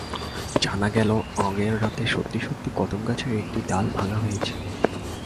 জানা গেল অ্যাগের রাতে সত্যি-সত্যি কদমগাছের একটি ডাল ভাঙা হয়েছে।